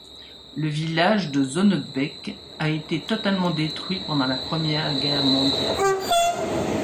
Le village de Zonnebeke a été totalement détruit pendant la Première Guerre mondiale.